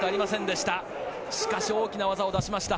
しかし大きな技を出しました。